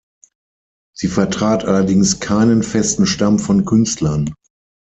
Sie vertrat allerdings keinen festen Stamm von Künstlern.